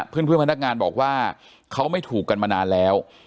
เพื่อนพนักงานบอกว่าเขาไม่ถูกกันมานานแล้ว